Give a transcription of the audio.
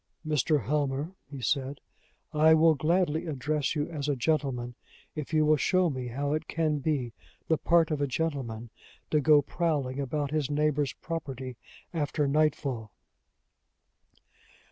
"Mr. Helmer," he said, "I will gladly address you as a gentleman, if you will show me how it can be the part of a gentleman to go prowling about his neighbor's property after nightfall."